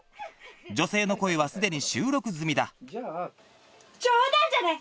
女性の声はすでに収録済みだ冗談じゃない！